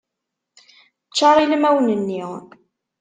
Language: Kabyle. Ččar ilmawen-nni.